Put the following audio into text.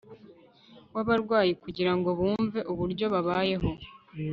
wabarwayi kugira ngo bumve uburyo babayeho